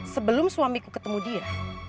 sebelum suamiku ketemu dia